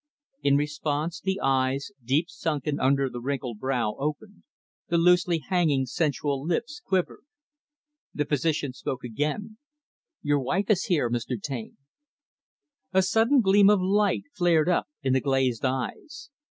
In response, the eyes, deep sunken under the wrinkled brow, opened; the loosely hanging, sensual lips quivered. The physician spoke again; "Your wife is here, Mr. Taine." A sudden gleam of light flared up in the glazed eyes.